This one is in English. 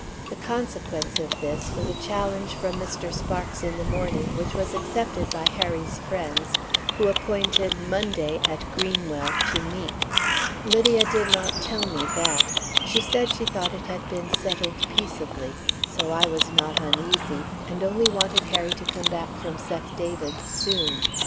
The consequence of this was a challenge from Mr. Sparks in the morning, which was accepted by Harry's friends, who appointed Monday, at Greenwell, to meet. Lydia did not tell me that; she said she thought it had been settled peaceably, so I was not uneasy, and only wanted Harry to come back from Seth David's soon.